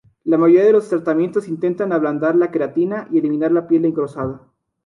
La mayoría de los tratamientos intentan ablandar la queratina y eliminar la piel engrosada.